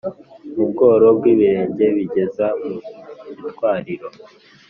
mu bworo bw’ibirenge bigeza mu gitwariro